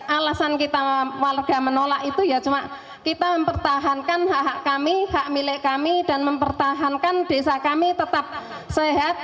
alasan kita warga menolak itu ya cuma kita mempertahankan hak hak kami hak milik kami dan mempertahankan desa kami tetap sehat